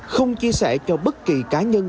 không chia sẻ cho bất kỳ cá nhân